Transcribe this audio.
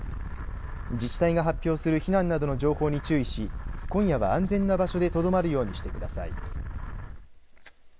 自治体が発表する避難などの情報に注意し今夜は安全な場所でとどまるようにしてください。